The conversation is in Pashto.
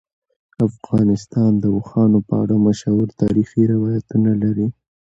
افغانستان د اوښانو په اړه مشهور تاریخی روایتونه لري.